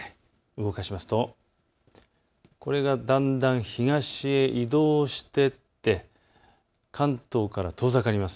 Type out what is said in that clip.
動かしますとこれがだんだん東へ移動していって関東から遠ざかります。